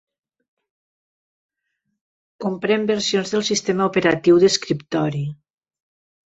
Comprèn versions del sistema operatiu d'escriptori